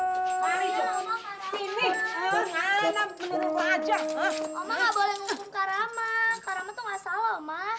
oma nggak boleh ngukum kak rama kak rama tuh nggak salah oma